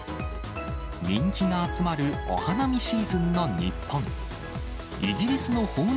人気が集まるお花見シーズンの日本。